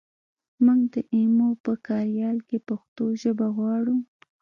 مونږ د ایمو په کاریال کې پښتو ژبه غواړو